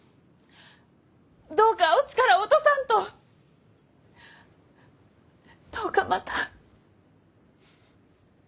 どうかお力を落とさんとどうかまた。